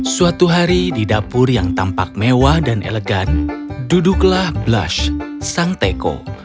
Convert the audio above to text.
suatu hari di dapur yang tampak mewah dan elegan duduklah blush sang teko